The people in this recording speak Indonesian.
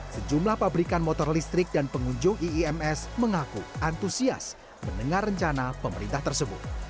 sejumlah pabrikan motor listrik dan pengunjung iims mengaku antusias mendengar rencana pemerintah tersebut